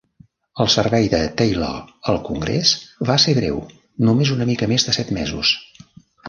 El servei de Taylor al Congrés va ser breu, només una mica més de set mesos.